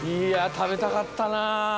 食べたかったな。